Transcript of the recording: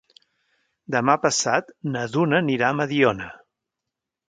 Demà passat na Duna anirà a Mediona.